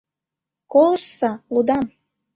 Колыштса, лудам.